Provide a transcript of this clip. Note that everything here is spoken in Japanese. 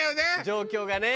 状況がね。